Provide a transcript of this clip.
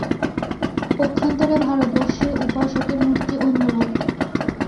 পক্ষান্তরে ভারতবর্ষে উপাসকের মূর্তি অন্যরূপ।